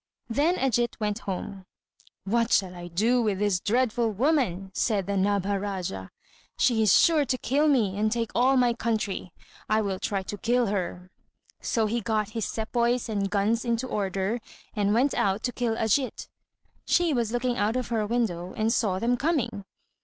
Then Ajít went home. "What shall I do with this dreadful woman?" said the Nabha Rájá. "She is sure to kill me, and take all my country. I will try to kill her." So he got his sepoys and guns into order, and went out to kill Ajít. She was looking out of her window, and saw them coming.